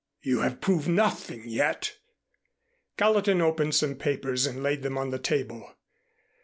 "You have proved nothing yet." Gallatin opened some papers and laid them on the table.